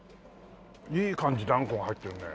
いい感じであんこが入ってるね。